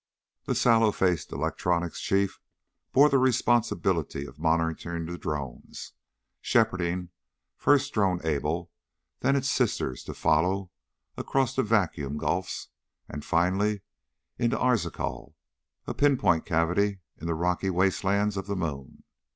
The sallow faced electronics chief bore the responsibility of monitoring the drones shepherding, first Drone Able, then its sisters to follow across the vacuum gulfs and, finally, into Arzachel, a pinpoint cavity in the rocky wastelands of the moon.